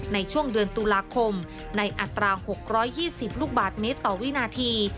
ในช่วงเดือนตุลาคมในอัตรา๖๒๐ลูกบาทเมตรต่อวินาที